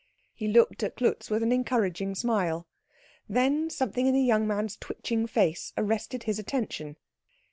He looked at Klutz with an encouraging smile. Then something in the young man's twitching face arrested his attention.